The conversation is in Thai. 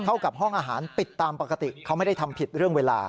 กับห้องอาหารปิดตามปกติเขาไม่ได้ทำผิดเรื่องเวลา